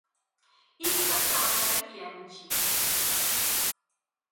Iko katika Mashariki ya nchi.